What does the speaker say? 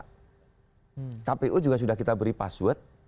kpu juga sudah kita beri password